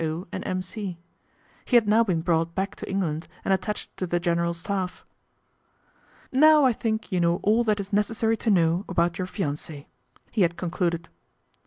O. and M.C. He had now been brought back to England and attached to the General Staff. " Now I think you know all that is necessary to know about your fiance," he had concluded.